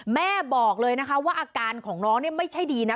บอกเลยนะคะว่าอาการของน้องเนี่ยไม่ใช่ดีนะ